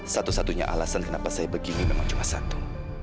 satu satunya alasan kenapa saya begini memang cuma satu